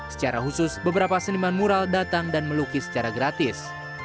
secara khusus beberapa seniman mural datang dan melukis secara gratis